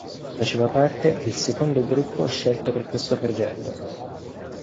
Faceva parte del secondo gruppo scelto per questo progetto.